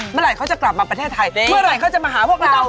เมื่อไหร่เขาจะกลับมาประเทศไทยเมื่อไหร่เขาจะมาหาพวกเรา